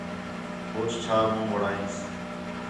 ہوچ چھا مُون٘ھ وڑائینیس